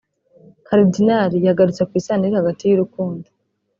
Karidinali yagarutse ku isano iri hagati y’urukundo